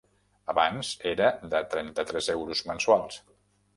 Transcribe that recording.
Abans era de trenta-tres euros mensuals.